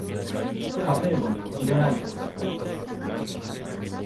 家庭ゴミを入れないでください